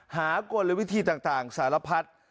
หากลวิธีต่างสารพัด